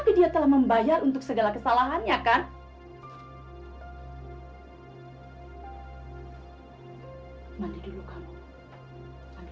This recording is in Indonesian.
pintu depan rumah saya dibongkar